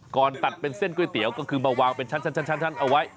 ก่อนตัดเป็นเส้นก๋วยเตี๋ยวก็คือมาวางเป็นชั้นเอาไว้